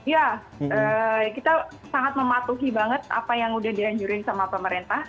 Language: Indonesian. ya kita sangat mematuhi banget apa yang udah dianjurin sama pemerintah